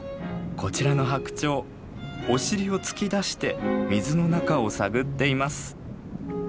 こちらのハクチョウお尻を突き出して水の中を探っています。